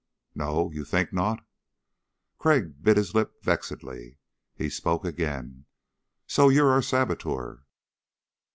"No? You think not?" Crag bit his lip vexedly. He spoke again: "So, you're our saboteur?"